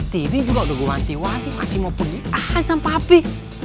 tini juga udah gue nanti nanti masih mau pergi aja sama pak pi